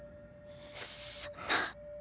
そんな。